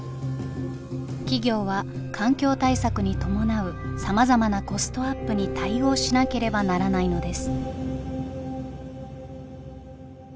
企業は環境対策に伴うさまざまなコストアップに対応しなければならないのです。